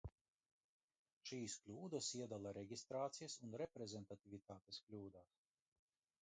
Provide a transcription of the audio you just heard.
Šīs kļūdas iedala reģistrācijas un reprezentativitātes kļūdās.